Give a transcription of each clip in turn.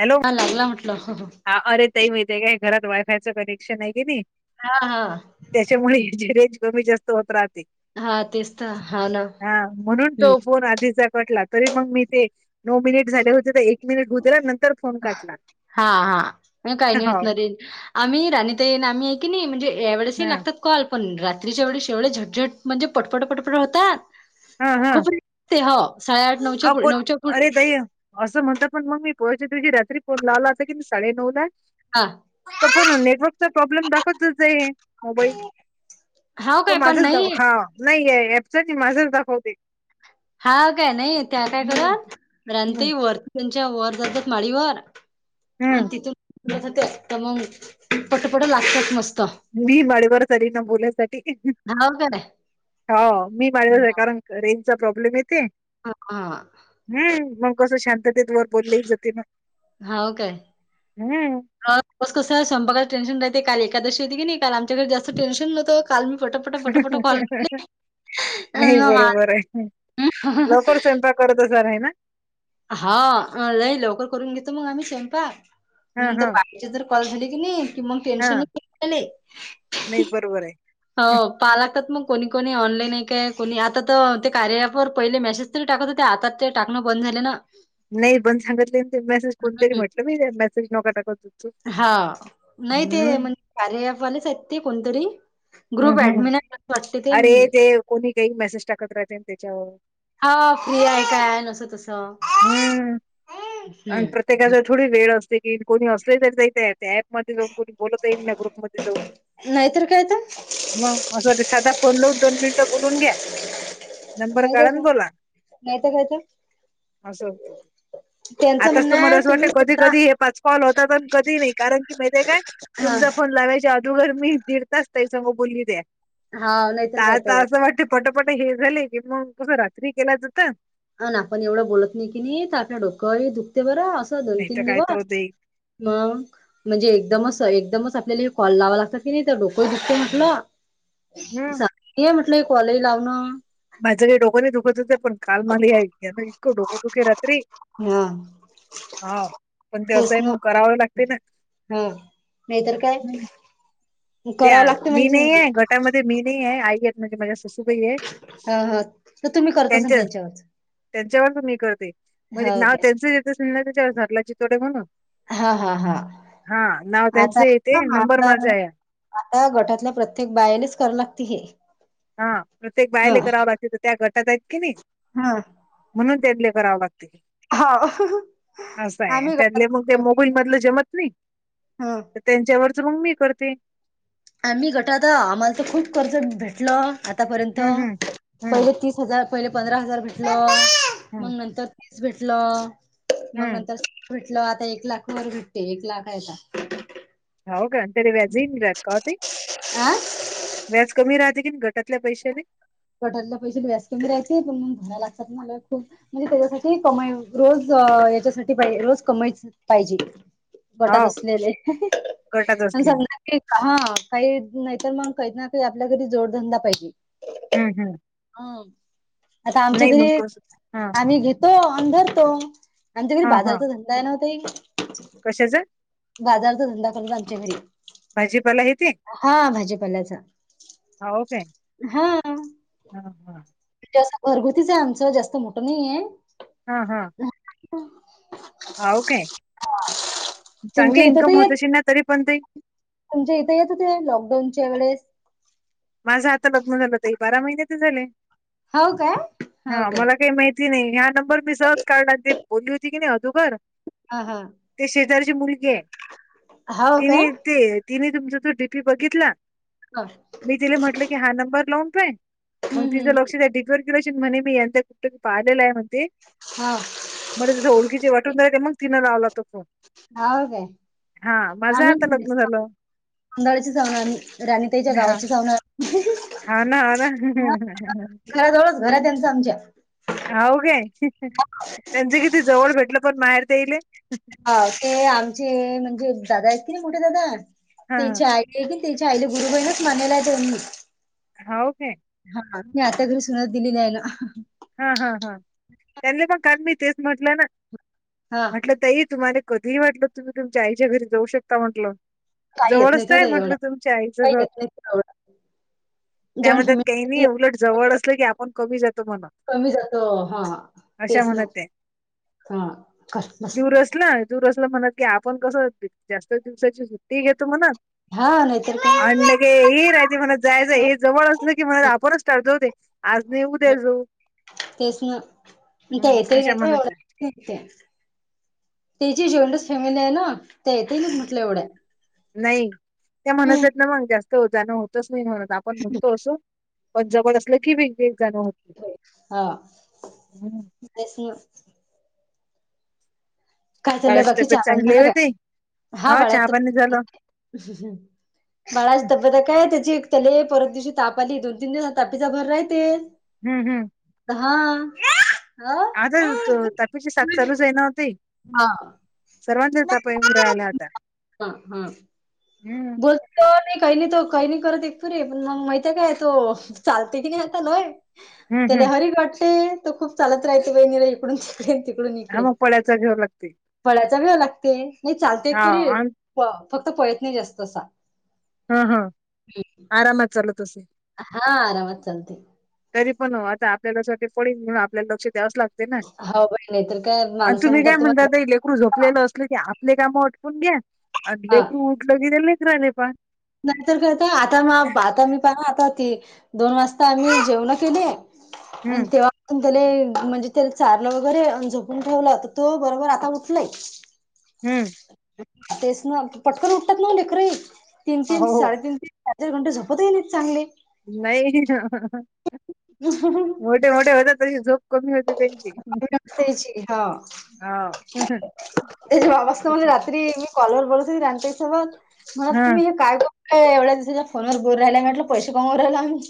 Hello हा लागला म्हटलं. हो हो. हा अरे ते हे माहितय काय, घरात वाय फाय च कनेक्शन आहे की नाही. हा हा. त्याच्यामुळे याची रेंज कमी जास्त होत राहते. हा तेच तर. हा ना. हा म्हणून हम्म तो फोन आधीचा कटला, तरी मग मी ते नऊ मिनिट झाले होते तर [unintelligible] नंतर फोन काढला हा हा म काही नाही होत न रे! आम्ही राणी ताई नी आम्ही की नाही मन्हजे जे हा लागतात. कॉल पण रात्रीच्या वेळी शेव झटझट म्हणजे पटपट, पटपट होतात हा हा खूप. ते हो साडेआठ, नऊच्या, हा कोण नऊच्या फुड अरे ताई असं म्हणत, पण मग मी पोहायच्या दिवशी रात्री फोन लावला होता की, साडे नऊ ला हा. तर पण नेटवर्कचा प्रॉब्लेम दाखवतच आहे. मोबाईल हाव तो काय पण माझच दाखव नाही हा, नाही एकसारखी माझच दाखवते. हा काय नाही त्या काय हम्म करत हम्म र्रांती वरती त्यांच्या वर जातात माळीवर आणि हम्म तिथून ते मग पटपट लागतात. मस्त. मी माळेवर झाली ना बोलाण्यासाठी हाव काय होा मी माळेवर झा कारण रेंज चा प्रॉब्लेम येते. हा हा. हम् मग कसं शांततेत वर बोललेही जाते ना होा काय, हम्म. मग. बसं कसं स्वयंपकाला टेन्शन राहते. काल एकादशी होती की नाही, काल आमच्याकडे जास्त टेन्शन नव्हतं. काल मी पटापटा, पटापटा कॉल केले. नाही बरोबर आहे. हं. लवकर स्वयंपाक करत अस नाही ना. हा, लई लवकर करून घेतो मग आम्ही स्वयंपाक हा म्हणत हा पा जे तर कॉल झाले की नाही की मग हा टेन्शन च नाही. नाही बरोबर आहे. हो पाहाय लागतात, मग कोणी कोणी ऑनलाईन आहे काय, कोणी, आता तर ते कार्या ऍप वर पहिले मेसेज टाकत होते, आता ते टाकंण बंद झाले ना. नाही पण सांगितले, ते मेसेज कोणतरी म्हटलं ना त्यांना, ते मेसेज नका टाकू हा. नाही ते म्हणजे, कार्या ऍप वालेच आहेत ते कोणतरी. ग्रुप हम्म हम्म ऍडमिन आहेत. असे वाटते ते. कोणी काही मेसेज टाकत राहते त्याच्यावर. हा, फ्री आहे काय आहे? असं तस. हम्म आणि प्रत्येकाचा थोडी वेळ असते की कोणी असले तरी जा ऍप मध्ये जाऊन कोणी बोलत येईल ना ग्रुपमध्ये जाऊन. नाहीतर काय तर. मग असं वाटत, साधा फोन लावून दोन मिनिटं बोलून घ्या. नंबर नाहीतर काढा, ना काय बोला, नाहीतर काय तर असं. त्यांचं आताच तर म्हणणं मला आहे असं वाटतं तुम्ही की कधी स्वतः कधी हे पाच कॉल होतात, आणि कधी नाही. कारण की माहितीे काय, हा तुमचा फोन लावायच्या तवार मी दीड तास ताई समोर बोलली त्या. हा नाहीतर काय आता तर असं वाटत पटापटा हे झाले की, मग कसं रात्री केला जात. हो. ना आपण एवढं बोलत नाही की नाही, ते. आपलं डोकं. हे दुखते बरं, असं नाही तर दोन-तीन काय तर दिवस होते मग. म्हणजे एकदमच. एकदमच आपल्याला. हे कॉल लावा लागतात की नाही, तर डोकं दुखत म्हटलं. हम. [unintelligible] म्हटलंय कॉल, हे लावणं माझ्या काही डोकं नाही दुखत, हो पण काल मला या ना इतकं डोकं दुखे रात्री. हा हा पण ते तेच असंही ना मग करावं लागते ना. हा नाहीतर काय. हम्म. त्या करावं लागते मी म्हणजे नाही आहे घटामध्ये मी नाही आहे आई आहेत म्हणजे माझ्या ससूबाई आहे. ह हा तर तुम्ही करत अस ना त्यांच्या त्यांच्यावरच. त्यांच्यावरच मी करते म्हणजे हो नाव काय त्यांच येत त्याच्यावर झाटला चितोड आहे म्हणून‌. हा हा हा [inaudible] हा नाव आता त्यांचे येत हा नंबर माझ आता या. आता गटातल्या प्रत्येक बायानेच करा लागते हे. हा प्रत्येक ह बायले करां असे तर त्या गटात आहेत की नाही. ह [inaudible] म्हणून तेर्ले करावं लागते. हा असं आहे आम्ही क. त्यातले मग ते मोबाईल मधले जमत नाही. हा. त्यांच्यावरच रुगमी करते. आम्ही गट आता आम्हाला तर खूप कर्ज भेटलं आतापर्यंत हम् हम्. हम्म पहिले तीस हजार. पहिले पंधरा हजार भेटल हम्म मग नंतर तीस भेटल मग हम्म नंतर. भेटल आता एक लाख वर भेटते एक लाख आहे का. हो कांत रेव्या अजीन रात कावते [inaudible] आता आ व्याज कमी राहते की ग घटातल्या पैशाने. कटररीला पैसे ब व्यास कमी रायचे पण मण भराय लागतात ना. खूप म्हणजे त्याच्यासाठी कमाई रोज याच्यासाठी रोज कमाईच पाहिजे. पोटात हो असलेले गटात आ असलेले सांगणार. हा काही नाहीतर मग काहीत ना काही आपल्या घरी जोडधंदा पाहिजे. हम्म हम्. हम आता आमच्या तरी कस हा आम्ही घेत. तो अंधार तो आमच्याकरी हा हा बाजारचा धंदा आहे नव्हता. कशाच? बाजारचा धंदा करूनच आमच्या घरी भाजीपाला येते हा भाजीपाल्याचा. हा ओ काे. हा. हा हा. जास्त घरगुतीच आहे आमचं जास्त मोठं नाहीे. हा हा. [unintelligible] हाव काय तुमच्या चांगली इन्कम होतशी ना तरी पण त. म्हणजे इथे येत हो ते लॉकडाऊनच्या वेळेस. माझं आता लग्न झालं त बारा महिन्यात झाले. हाव काय हाव हा काय मला काही माहिती? ती नाही या्या नंबर मी सर्च काढला ते बोलली होती की नाही अगोदर. हा हा. ते शेजारची मुलगी आहे हाव काय तिने ते तिने तुमचा तो डीपी बघितला. हृ मी तिला म्हटलं की हा नंबर लावूनतोय मग हम्म तिचं हम्म लक्ष द र किलोन म्हणे मीं कुठट की पाहिलेला आहे मते. हा. मर जस ओळखीची वाटून जाय मग तिन लावला तर. ह आहे. आम्ही आता लग्न झालं. नंदाळ्याची वणार रानताईच्या गावाची जाणार. हम्म हा. हा ना ह ना. घराजवळच घर आहे त्यांच आमच्या. हऊ काय त्यांचे किती जवळ भेटलं पण माहेर ते येईल. हा ते आमचे म्हणजे दादा आहेत कि नाही मोठे दादा हां, ते य की. त्याची आईली गुरु बहिणच मानला आहेनी. हो का. हा मी आता घरी सुनत दिली नाही ना हा हा हां त्यांनी पण का मी तेच म्हटलं ना हा म्हटलं तही तुम्हाला कधीही वाटलं तुम्ही तुमच्या आईच्या घरी जाऊ शकता म्हटलं. काही येत जवळच नाही तो आहे त्या म्हटलं एवढ्या तुमच्या आईचं काही घर. येत नाही तो एवढा जॉईंट त्यामध्येत काही नाही फॅमिली उलट जवळ असलं की आपण कमी जातो म्हण कमी जातो हा तेच ना त्या. हा क मस्त ना दूर असलं म्हणत की आपण कसं जास्त दिवसाची सुट्टी घेतो म्हणत. हा नाहीत. आणलं की हे राहते मला जायचं हो हे जवळ अस ना की मला हम्म, रापरच स्टार्ट जऊते. आज नाही उद्या हम्म. जाऊ. तेच ना ते हं, येत अशा नेतो म्हणत जा. एवढं त जी जॉईंटच फॅमिली आहे ना ते येत ना म्हटलं एवढ्या नाही त्या म्हणत येत ना मग जास्त जाणं होतच नाही म्हणत आपण म्हणतो असं पण जवळ असलं की वेगवेग जणं होत. हम्म हाच. काय चालूय बाळाची बाकी चहा तब्येत पाणी चांगली आहे झाला होती का हा बाळ चहा पाणी झालं बाळा तब्यता काय त्याची एक तले परत दिवशी ताप आली दोन तीन दिवस तापीचा भर राहते. हम्म हम्. हा. हा आता हा तापीची साथ चालूच आहे नाओ ताई. हा. सर्वांना च ताप येऊ राहिला आता हम्म. ो नाही काही नाही तो काही नाही करत एकपूरीे पण मग माहितीय काय तो चालते की नाही आतालोय हम्म त्याने हम्म हरी घटते तो खूप चालत राहते बहिनीराज इकडून डे तिकडून हा इकडे मग पळ्याचा घ्यावं लागते फळ्याचा वेव लागते नाही चालते एक हा परी आन- फक्त पळत नाही जास्त असा. हा हा आरामात चालत असंल. हा आरामत चालते. तरी पण आता आपल्यालाक्ष पडेन आपल्याला लक्ष द्यावच लागत. हो बाई नाही तर काय आणि माणसं तुम्ही काय म्हणतात म्हणता तुम्हाला आता लेकरू झोपते जोपलेलं असले की आपले काम अटपून घ्या अ हा लेकरू उठलं त्या लेकराला पा नाहीतर कायता आता म आता मी पहा आता ती दोन वाजता आम्ही जेवण केले. आणि हम्म तेव्हा. प त्याला म्हणजे त्याला चारलं वगैरे झोपून ठेवला तर तो बरोबर आता उठंलाय. हम्म. तेच ना पटकन उठतात ना लेकरही तीन तीन हो हो साडेतीन तीन रात्री घंटे झोपत ये नाहीत चांगले. नाही ना हह हं हंहं. मोठे मोठे होते तशी झो कमी होते त्यांची त्याची हा हं ते बा मला रात्री मी कॉलवर बोलत हो राणी ताई सोबत म्हणत हां, तुम्ही हे काय अ एवढ्या दिवसाच्या फोनवर बोलू राहिलाय म्हटलं पैसे कमवू राहिलो अंम्ही.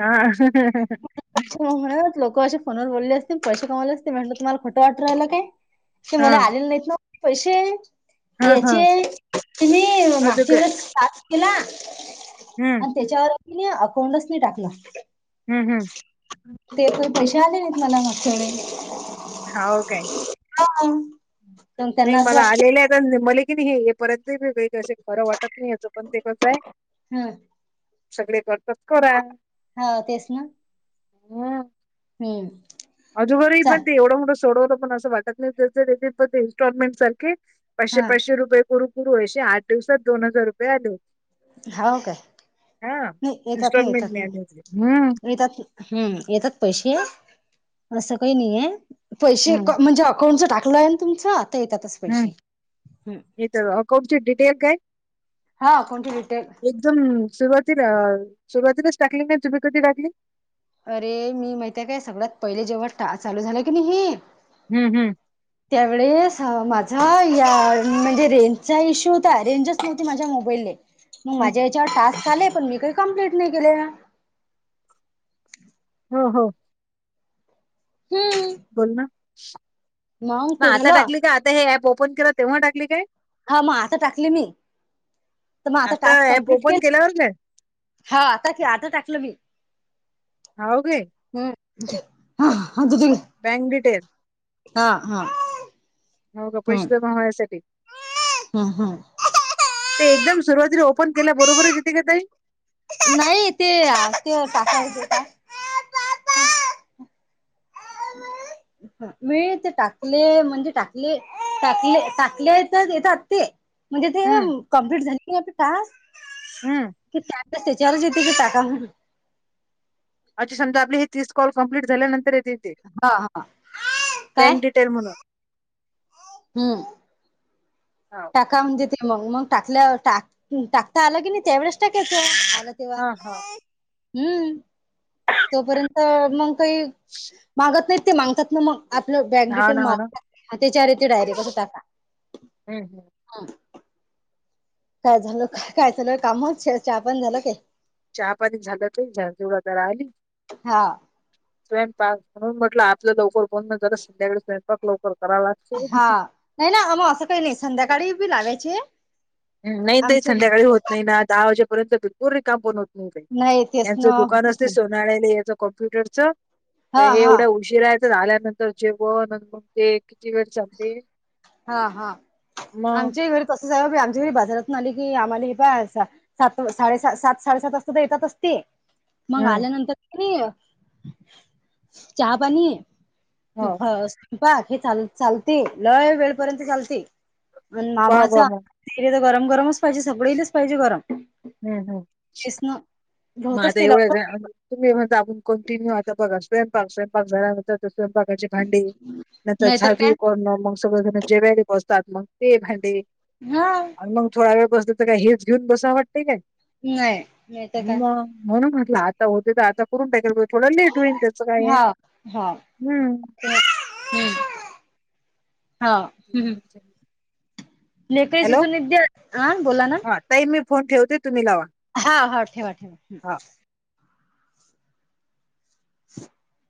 हा ह. म्हणात लोकं असे फोनवर बोलले असतील पैसे कमावले असतील म्हटलं तुम्हाला खोटं वाट राहिलं काय ते मला आलेलं नाहीत ना पैसे. हां, याचे हां. ती माग अदुक वेळेला टास्क केला हम्म! आणि त्याच्यावर अकाउंटच नाही टाकल. हम् हम्! ते तर पैसे आले नाहीत मला मागच्यावेळेला. हाव काय? हा! मग नाही त्यांना असं मला वाटत आलेले आहेता मले की नाय परत नाही हे असे खरं वाटत नाही याच पण ते कसं हे हा सगळे करतात तर करा. हा तेच ना हम्म! अजूनबरही चाल पण ते एवढं मोंठ सोडवलं पणं वाटत नाही ते पण ते इन्स्टॉलमेंट सारखे. पाचशे हा पाचशे रुपये करु करू आसेे आठ दिवसात दोन हजार रुपये आले. हाव काय हा नाही येतात ना इन्स्टॉलमेंट येतात ने ना आले, हम्! येतात हम्म येतात पैसे असं काही नाहीये. पैसे हं, म्हणजे अकाउंटच टाकलं आहे ना तुमच तर येतातच पैसे. हित अकाउंट ची डटेल काय? हा अकाउंटचे डिटेल. एकदम सुरुवातीला सुरुवातीलाच टाकले, तुम्ही कधी टाकले? अरे मी माहितिया काय सगळ्यात पहिले जेव्हा टा चालू झालं की नाही हे हम हम! त्यावेळेस हा माझा या म्हणजे रेंजचा इश्यू था रेंजच माझ्या मोबाईले, मग हम्म. माझ्या याच्यावर टास्क आले पण मी काही कंप्लीट नाही केले. हो हो! हम्म! बोल ना, मग ते हा आता झालं टाकली काय आता हे ऍप ओपन केली तेव्हा टाकली काय? हा मग आता टाकली मी तर मग आता टास्क ऍप कम्प्लीट ओपन केल केल्यावर नाही हा आता आता टाकलं मी. हाव काय! [unintelligible] बँक डिटेल हा हा! हो का हम्म पैसे जमा होण्यासाठी? हम्म हम्म ते एकदम सुरुवातीला ओपन केल्या बरोबरच येते का ताई? नाही ते ते टाकाच येत. [inaudible] मि ते टाकले म्हणजे टाकले टाकले टाकले तर येतात ते. म्हणजे ते ना हम्म कंप्लीट झाली की टास्क हम्म कि त्यात त्याच्यावरच येते की टाका म्हणुन. अच्छा समजा आपली हे तीस कॉल कंप्लीट झाल्यानंतर येते ते हा हा काय बँक डि टेल म्हणून. हम्म! हाव. अकाउंट देते मग टाकल्या टाकता आला की नाही त्यावेळेच टाकायचं. तेव्हा हा हा हम्म! तोपर्यंत मग काही मागत नाहीत ते मागतात ना मग! आपलं बॅग हा डिटेल ना हा ना मार त्याच्यावर तेे डायरेट अस टाका हम्म हम्म हा काय झालं काय काय झाल काम च पण चाय बंद झाल काय चहा पाणी झालंत तेवढा तर राहिली हा स्वयंपाक म्हणून म्हट आपलं लवकर बोन म जरा संध्याकाळी स्वयंपाक लवकर करावा लागतो. हा नाही ना आम असं काही नाही संध्याकाळी बी लागायचे. नाही नाही संध्याकाळी होत नाही ना दहा वाजेपर्यंत बिरपूर रिकाम पण नाही तेच यांचं ना दुकान होतच असते नाही उनालेले याच कॉम्प्युटर च तर हा हे हा एवढ्या उशीरायायचं झाल्यानंतर जेव ते कितीवर जाते मग! तसं जाव आमच्या घरी बाजारात आले की आम्हाला हे पाय असं सात साडे सात साडेसात वाजता तर येतात असते मग हम्म आल्यानंतररी चहा पाणी हो पाक हे चाल चालते लय वेळपर्यंत चालते आणि पहा मामाच बा मग तर गरम गरमच पाहिजे सगळेच पाहिजे गरम हम्म हम् तेच ना मग होतच आता नाही एवढंच आहे लवकर तुम्ही म्हण आपण कंटिन्यू आता बघा स्वयपाक स्वयंपाक झाल्यानंतर स्वयंपाकाची भांडी नंतर नाहीतर झाजू काय करण मग सगजण जे वेळी बसतात मग ते भांडे हा आणि मग थोडा वेळ बसल तर काही हेच घेऊन बसाव वाटतं काय हय म मग म्हणून म्हटलं आता होते तर आता करून टाकाल थोडं लेट होईल त्याचं काय आहे हा हा हम् हम्म हा हम् लेकरी सुसनिध्या हां बोला ना त मी फोन ठेवते तुम्ही लावा हा हा ठेवा ठेवा हा. [inaudible]